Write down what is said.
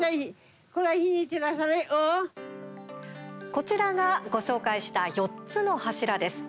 こちらが、ご紹介した４つの柱です。